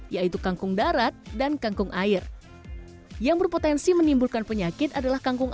yaitu kangkung darat dan kangkung air yang berpotensi menimbulkan penyakit adalah kangkung